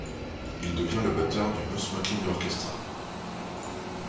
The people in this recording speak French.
Il devient le batteur du No Smoking Orchestra.